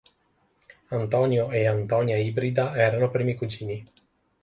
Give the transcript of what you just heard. Antonio e Antonia Ibrida erano primi cugini.